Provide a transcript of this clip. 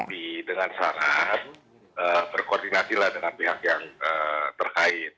tapi dengan saran berkoordinasi lah dengan pihak yang terkait